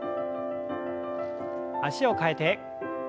脚を替えて。